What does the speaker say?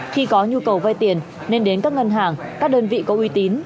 khi có nhu cầu vay tiền nên đến các ngân hàng các đơn vị có uy tín